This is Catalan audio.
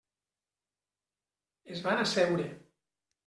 Es van asseure.